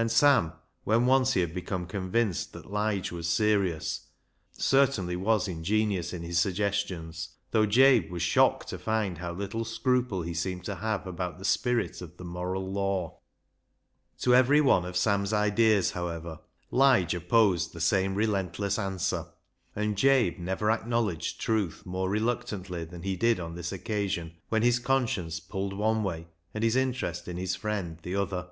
And Sam, when once he had become con vinced that Lige was serious, certainly was ingenious in his suggestions, though Jabe was shocked to find how little scruple he seemed to have about the spirit of the moral law. To every one of Sam's ideas, however, Lige opposed the same relentless answer, and Jabe never acknowledged truth more reluctantly than he did on this occasion, when his conscience pulled one way and his interest in his friend the other.